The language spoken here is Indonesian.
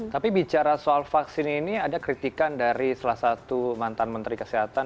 tapi bicara soal vaksin ini ada kritikan dari salah satu mantan menteri kesehatan